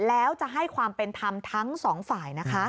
แล้วจะให้ความเป็นธรรมทั้งสองฝ่ายนะคะ